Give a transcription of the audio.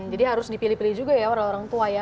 jadi harus dipilih pilih juga ya orang orang tua ya